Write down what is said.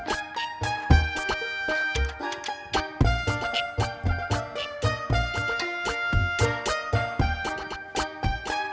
kalau emang orangnya kurang pengetahuan mah